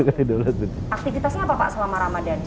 aktivitasnya apa pak selama ramadan